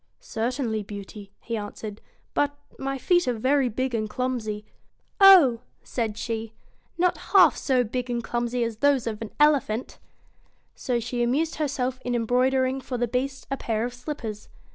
1 1 Certainly, Beauty !' he answered. ' But my feet are very big and clumsy/ ' Oh !' said she, ' not half so big and clumsy as those of an elephant/ 93 So she amused herself in embroidering for the AND THE Beast a pair of slippers.